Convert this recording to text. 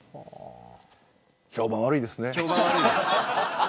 評判悪いですね。